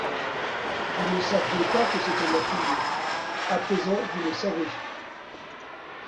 Vous ne saviez pas que c’était ma fille, à présent vous le savez.